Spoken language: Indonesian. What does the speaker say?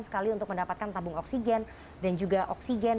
sekali untuk mendapatkan tabung oksigen dan juga oksigen